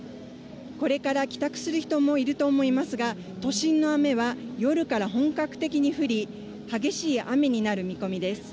これから帰宅する人もいると思いますが、都心の雨は夜から本格的に降り、激しい雨になる見込みです。